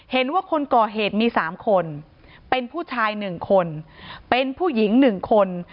เห็นว่าคนก่อเหตุมีสามคนเป็นผู้ชายหนึ่งคนเป็นผู้หญิงหนึ่งคน